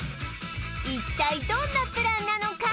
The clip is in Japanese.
一体どんなプランなのか？